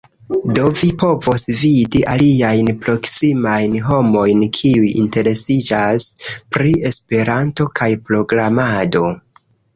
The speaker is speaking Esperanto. Do vi povos vidi aliajn proksimajn homojn kiuj interesiĝas pri Esperanto kaj programado